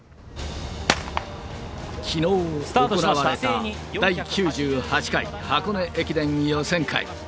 きのう行われた第９８回箱根駅伝予選会。